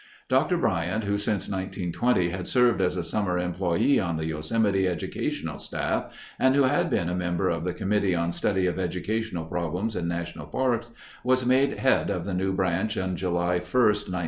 Dr. Bryant, who since 1920 had served as a summer employee on the Yosemite educational staff and who had been a member of the Committee on Study of Educational Problems in National Parks, was made head of the new branch on July 1, 1930.